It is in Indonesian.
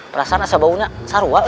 perasaan asa baunya saru wak